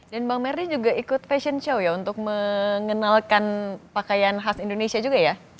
dan bang merdi juga ikut fashion show ya untuk mengenalkan pakaian khas indonesia juga ya